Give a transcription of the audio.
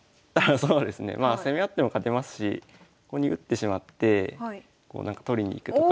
そうですねまあ攻め合っても勝てますしここに打ってしまって取りに行くとか。